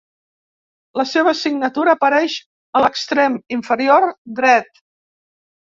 La seva signatura apareix a l'extrem inferior dret.